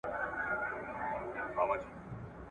تل به نه وي زموږ په مېنه د تیارې ابۍ شریکه `